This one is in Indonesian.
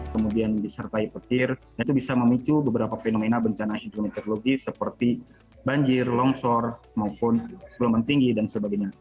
kemudian disertai petir itu bisa memicu beberapa fenomena bencana hidrometeorologis seperti banjir longsor maupun gelombang tinggi dan sebagainya